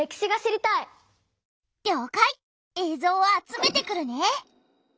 えいぞうを集めてくるね！